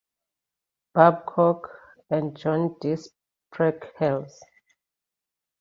Babcock, and John D. Spreckels.